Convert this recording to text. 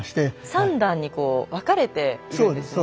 ３段にこう分かれているんですね。